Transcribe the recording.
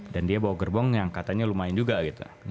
dan dia bawa gerbong yang katanya lumayan juga gitu